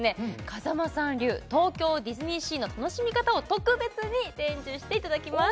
風間さん流東京ディズニーシーの楽しみ方を特別に伝授していただきます